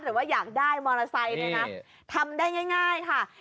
หรือว่าอยากได้มอเมอราไซน์ด้วยนะทำได้ง่ายค่ะใช้